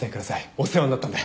お世話になったんで。